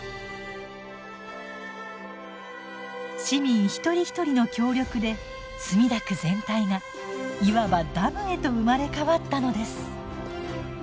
市民一人一人の協力で墨田区全体がいわばダムへと生まれ変わったのです。